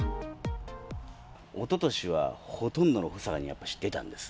おととしはほとんどの房にやっぱし出たんです。